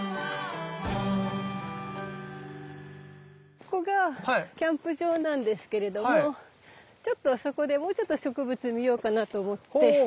ここがキャンプ場なんですけれどもちょっとあそこでもうちょっと植物見ようかなと思って。